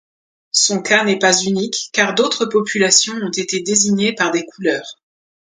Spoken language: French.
Son cas n'est pas unique, car d'autres populations ont été désignées par des couleurs.